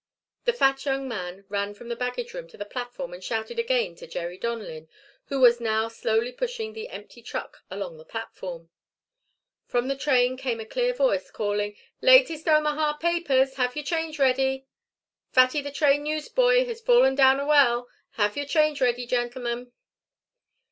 The fat young man ran from the baggage room to the platform and shouted again to Jerry Donlin, who was now slowly pushing the empty truck along the platform. From the train came a clear voice calling, "Latest Omaha papers! Have your change ready! Fatty, the train newsboy, has fallen down a well! Have your change ready, gentlemen!"